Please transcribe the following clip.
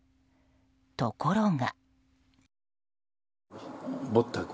ところが。